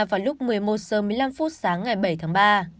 vào lúc một mươi một h một mươi năm sáng ngày bảy tháng ba